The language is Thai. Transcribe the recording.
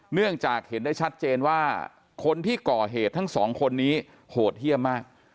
เนื่องจากเห็นได้ชัดเจนว่าคนที่ก่อเหตุทั้งสองคนนี้โหดเยี่ยมมาก